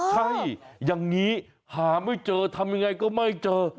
ใช่อย่างนี้หาไม่เจอทำยังไงก็ไม่เจอ